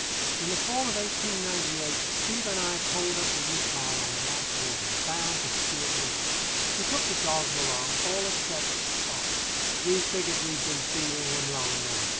In the fall of 1898, Steve and I poled up the Yukon on the last water, bound for Stewart River. We took the dogs along, all except Spot. We figured we'd been feeding him long enough.